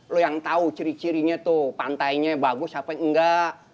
lo yang tahu ciri cirinya tuh pantainya bagus apa enggak